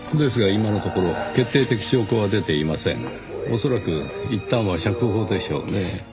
恐らくいったんは釈放でしょうねぇ。